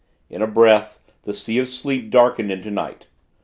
In a breath, the Sea of Sleep darkened into night.